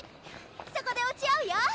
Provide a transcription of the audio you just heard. そこで落ち合うよ！